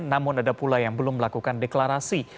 namun ada pula yang belum melakukan deklarasi